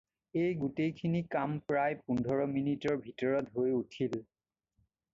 এই গোটেইখিনি কাম প্ৰায় পোন্ধৰ মিনিটৰ ভিতৰত হৈ উঠিল।